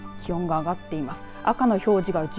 気温が上がっています。